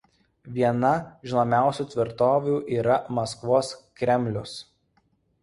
Viena žinomiausių tvirtovių yra Maskvos kremlius.